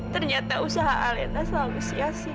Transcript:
ternyata usaha aletna selalu sia sia